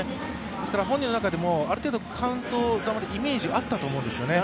ですから、本人の中でもある程度カウント球でイメージあったと思うんですね。